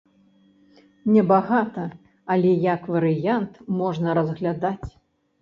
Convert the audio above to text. Небагата, але як варыянт можна разглядаць.